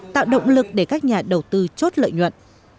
tạo động lực để các nhà đầu tư chốt lợi nhuận